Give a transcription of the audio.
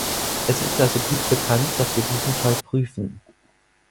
Es ist also gut bekannt, dass wir diesen Fall prüfen.